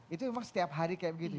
itu emang setiap hari kayak begitu